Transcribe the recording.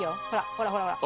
ほらほらほら。